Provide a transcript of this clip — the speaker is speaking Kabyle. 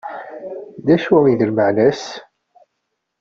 D acu d lmeεna-s?